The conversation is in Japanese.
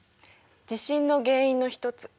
地震の原因の一つ。